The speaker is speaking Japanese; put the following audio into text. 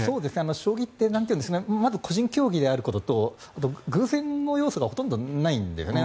将棋ってまず、個人競技であることとあと、偶然の要素がほとんどないんですね。